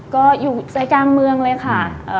ก็อยู่ใจกลางเมืองเลยค่ะ